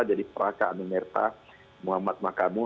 jadi prata anumerta muhammad makamu